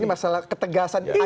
ini masalah ketegasan keajakan